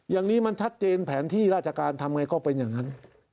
อย่างนี้มันชัดเจนแผนที่ราชการทำไงก็เป็นอย่างนั้น